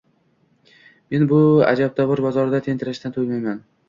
Men bu ajabtovur bozorda tentirashdan to‘ymayman.